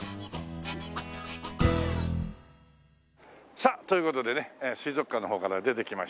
さあという事でね水族館の方から出てきました。